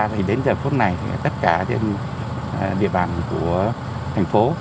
thì đến giờ phút này tất cả trên địa bàn của thành phố